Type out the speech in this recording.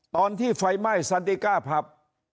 ตอนที่ไฟไหม้สันติก้าผับ